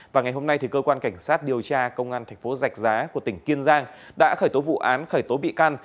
và ngày hôm nay cơ quan cảnh sát điều tra công an thành phố giạch giá của tỉnh kiên giang đã khởi tố vụ án khởi tố bị can